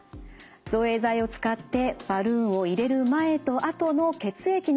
造影剤を使ってバルーンを入れる前と後の血液の流れを比較します。